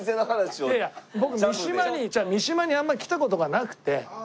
いやいや僕三島に違う三島にあんまり来た事がなくて。